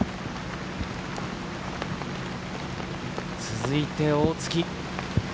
続いて、大槻。